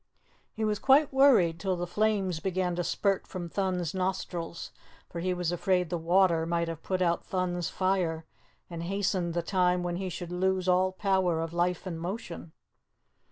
He was quite worried till the flames began to spurt from Thun's nostrils, for he was afraid the water might have put out Thun's fire and hastened the time when he should lose all power of life and motion.